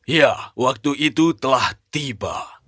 iya waktu itu telah tiba